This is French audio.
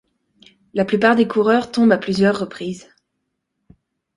La plupart des coureurs tombent à plusieurs reprises.